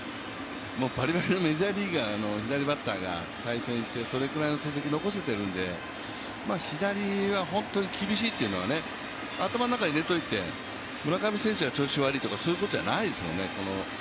もうバリバリのメジャーリーガーの左バッターが対戦してそれぐらいのピッチャーなんで、左が本当に厳しいというのは頭の中に入れておいて、村上選手が調子悪いとか、そういうことじゃないですもんね。